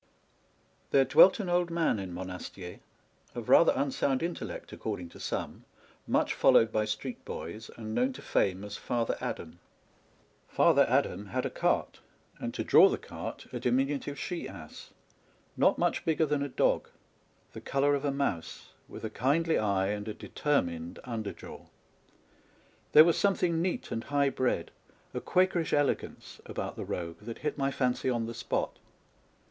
There dwelt an old man in Monastier, of rather unsound intellect according to some, much followed by street boys, and known to fame as Father Adam. Father Adam had a cart, and to draw the cart a diminutive she ass, not much bigger than a dog, the colour of a mouse, with a kindly eye and a determined under jaw. There was something neat and high bred, a quakerish elegance, about the rogue that hit my fancy on the spot.